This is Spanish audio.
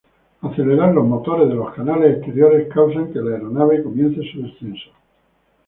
Acelerar los motores de los paneles exteriores causan que la aeronave comience su descenso.